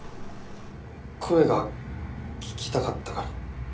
声が聞きたかったから。